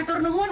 atur nuhun atur